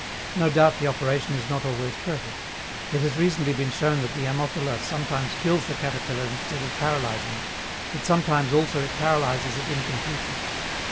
No doubt the operation is not always perfect. It has recently been shown that the Ammophila sometimes kills the caterpillar instead of paralyzing it, that sometimes also it paralyzes it incompletely.